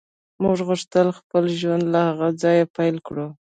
موږ غوښتل خپل ژوند له هغه ځایه پیل کړو